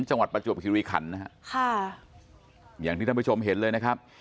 ประจวบคิริขันนะฮะค่ะอย่างที่ท่านผู้ชมเห็นเลยนะครับ